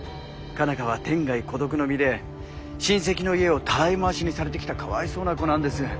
佳奈花は天涯孤独の身で親戚の家をたらい回しにされてきたかわいそうな子なんです。